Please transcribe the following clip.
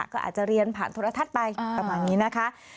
ก็อาจจะเรียนผ่านโทรทัศน์ไปประมาณนี้นะคะ